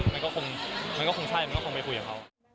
มันก็คงไปคุยกับเขา